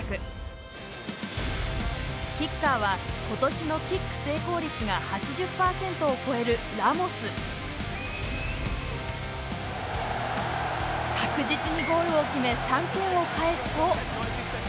キッカーは今年のキック成功率が８０％を超えるラモス確実にゴールを決め３点を返すと